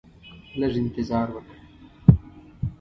لږ انتظار وکړه